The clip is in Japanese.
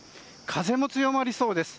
風も強まりそうです。